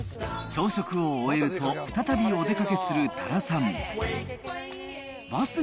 朝食を終えると再びお出かけする多良さん。